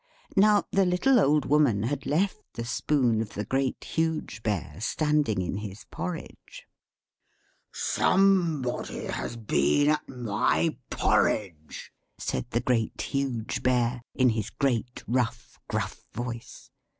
Now, the little Old Woman had left the spoon of the Great, Huge Bear standing in his porridge pot. "=Somebody has been at my porridge!=" said the Great, Huge Bear, in his great, rough, gruff voice.